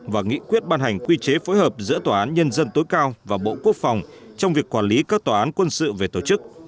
và nghị quyết ban hành quy chế phối hợp giữa tòa án nhân dân tối cao và bộ quốc phòng trong việc quản lý các tòa án quân sự về tổ chức